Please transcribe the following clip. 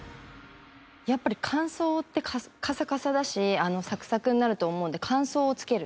やっぱり乾燥ってカサカサだしサクサクになると思うので乾燥を付ける。